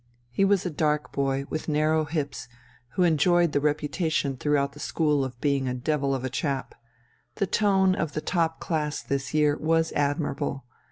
He was a dark boy, with narrow hips, who enjoyed the reputation throughout the school of being a devil of a chap. The tone of the top class this year was admirable.